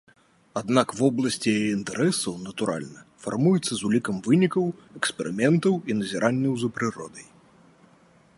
Аднак вобласць яе інтарэсаў, натуральна, фармуецца з улікам вынікаў эксперыментаў і назіранняў за прыродай.